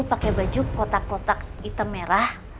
pakai baju kotak kotak hitam merah